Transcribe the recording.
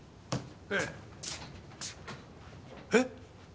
ええ。えっ？